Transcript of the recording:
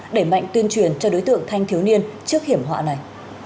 đẩy mạnh tuyên truyền cho đối tượng thanh thiếu niên trước hiểm họa này